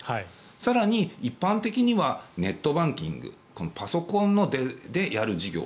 更に一般的にはネットバンキングパソコンでやる事業。